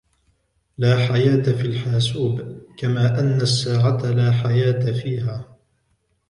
لا حياة في الحاسوب ، كما أن الساعة لا حياة فيها.